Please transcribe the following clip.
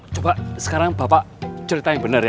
coba sekarang bapak cerita yang benar ya